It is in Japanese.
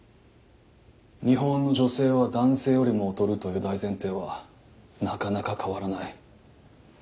日本の女性は男性よりも劣るという大前提はなかなか変わらない。